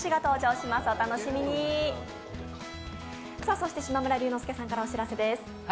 そして島村龍乃介さんからお知らせです。